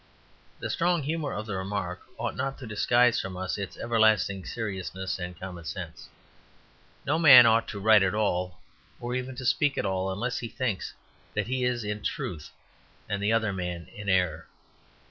The strong humour of the remark ought not to disguise from us its everlasting seriousness and common sense; no man ought to write at all, or even to speak at all, unless he thinks that he is in truth and the other man in error.